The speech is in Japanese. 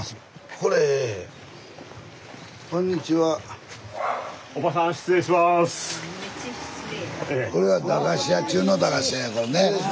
これは駄菓子屋中の駄菓子屋やこれね。